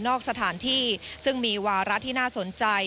สถานที่ซึ่งมีวาระที่น่าสนใจ